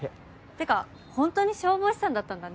てかホントに消防士さんだったんだね。